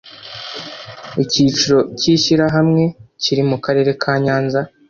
Icyicaro cy Ishyirahamwe kiri mu Karere ka nyanza